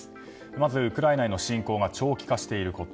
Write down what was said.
まずウクライナへの侵攻が長期化していること。